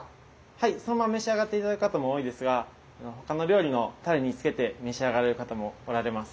はいそのまま召し上がって頂く方も多いですが他の料理のタレにつけて召し上がる方もおられます。